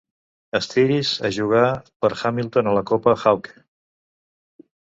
Styris ha jugar per Hamilton a la copa Hawke.